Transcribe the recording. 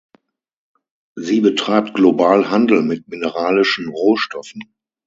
Sie betreibt global Handel mit mineralischen Rohstoffen.